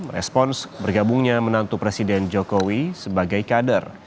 merespons bergabungnya menantu presiden jokowi sebagai kader